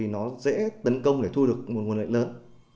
nó dễ tấn công để thu được nguồn lệnh lớn